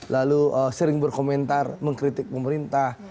lalu sering berkomentar mengkritik pemerintah